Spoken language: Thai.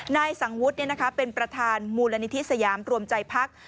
นายสังวุฒิเป็นประธานมูลนิธิสยามรวมใจพัก